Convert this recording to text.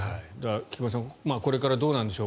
菊間さん、これからどうなんでしょう